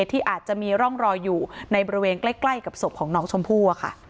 ที่อาจจะมีร่องรอยอยู่ในบริเวณใกล้กับศพของน้องชมพู่